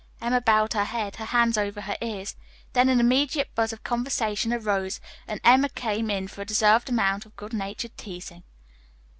Emma bowed her head, her hands over her ears. Then an immediate buzz of conversation arose, and Emma came in for a deserved amount of good natured teasing.